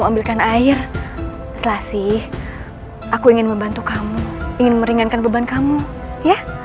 ambilkan air selasih aku ingin membantu kamu ingin meringankan beban kamu ya